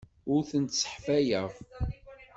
Ur tent-sseḥfayeɣ.